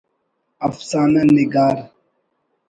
افسانہ نگار